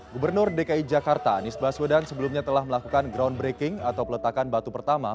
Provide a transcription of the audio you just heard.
gubernur dki jakarta anies baswedan sebelumnya telah melakukan groundbreaking atau peletakan batu pertama